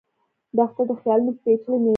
دښته د خیالونو پېچلی میدان دی.